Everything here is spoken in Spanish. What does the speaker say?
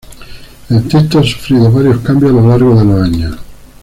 El texto ha sufrido varios cambios a lo largo de los años.